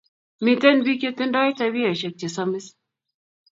Miten pik che tindo tabioshek che samis